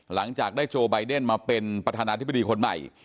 หลังจากได้โจไบเดนมาเป็นประธานาธิบดีคนใหม่